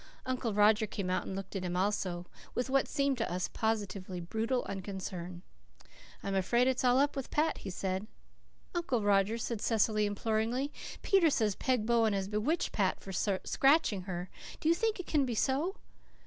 Uncle Roger came out and looked at him also, with what seemed to us positively brutal unconcern. "I'm afraid it's all up with Pat," he said. "Uncle Roger," said Cecily imploringly, "Peter says Peg Bowen has bewitched Pat for scratching her. Do you think it can be so?"